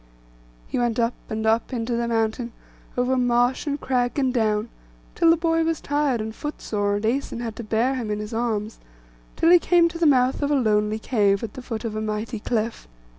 He went up and up into the mountain, over marsh, and crag, and down, till the boy was tired and footsore, and Æson had to bear him in his arms, till he came to the mouth of a lonely cave, at the foot of a mighty cliff.